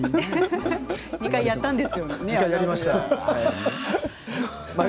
２回やったんですよね。